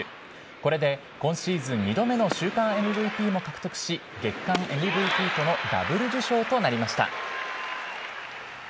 これで今シーズン２度目の週間ＭＶＰも獲得し、月間ＭＶＰとのダブル受賞となりました。